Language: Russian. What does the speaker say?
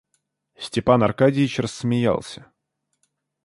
Степан Аркадьич рассмеялся.